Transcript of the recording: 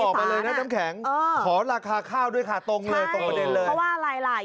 ปีหน้าพี่เบิร์ตขอราคาข้าวด้วยค่ะตรงเลยตรงประเด็นเลยเพราะว่าอะไรล่ะ